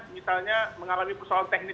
misalnya mengalami persoalan teknis